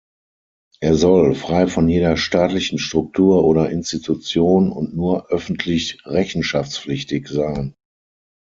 Er soll "„frei von jeder staatlichen Struktur oder Institution“" und nur "„öffentlich rechenschaftspflichtig“" sein.